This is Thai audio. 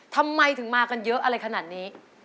ทำไมถึงมากันเยอะอะไรขนาดนี้